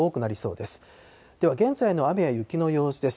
では現在の雨や雪の様子です。